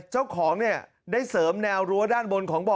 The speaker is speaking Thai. เจ้าของได้เสริมแนวรั้วด้านบนของบ่อ